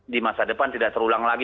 di masa depan tidak terulang lagi